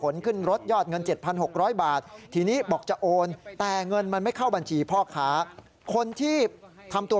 นี่พ่อค้านี่๑๓๐บาทไปแล้ว